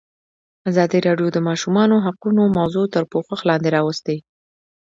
ازادي راډیو د د ماشومانو حقونه موضوع تر پوښښ لاندې راوستې.